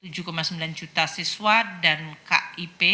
tujuh sembilan juta siswa dan kip